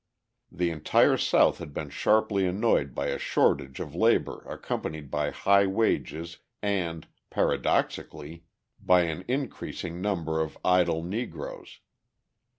The entire South had been sharply annoyed by a shortage of labour accompanied by high wages and, paradoxically, by an increasing number of idle Negroes.